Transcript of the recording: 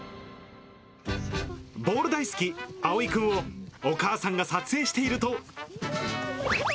ボール大好き、あおいくんをお母さんが撮影していると。